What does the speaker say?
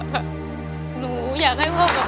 เรื่องสีท้นน้ำ